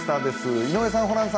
井上さん、ホランさん。